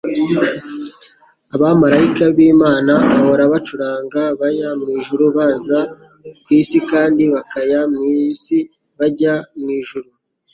Abamarayika b'Imana bahora bacuragana baya mu ijurul baza ku isi kandi bakaya ku isi bajya mu ijuru.